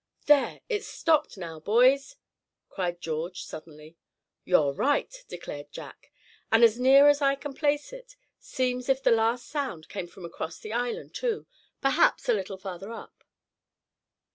"There, it's stopped now, boys!" cried George suddenly. "You're right," declared Jack, "and as near as I can place it, seems as if the last sound came from across the island, too, perhaps a little further up.